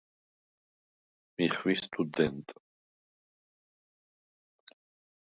მი ხვი სტუდენტ.